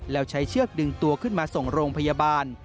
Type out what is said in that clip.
แล้วใช้เชือกดึงตัวขึ้นมาส่งโรงพยาบาล